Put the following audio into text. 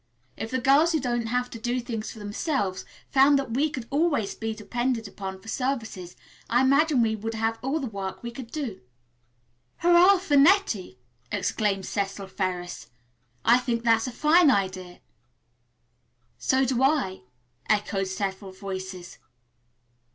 If the girls who don't have to do things for themselves found that we could always be depended upon for services I imagine we would have all the work we could do." "Hurrah for Nettie!" exclaimed Cecil Ferris. "I think that's a fine idea." "So do I," echoed several voices.